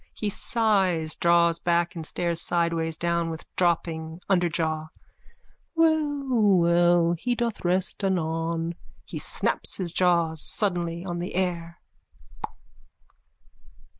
(He sighs, draws back and stares sideways down with dropping underjaw.) Well, well. He doth rest anon. (He snaps his jaws suddenly on the air.)